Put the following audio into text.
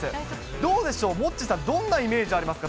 どうでしょう、モッチーさん、どんなイメージありますか？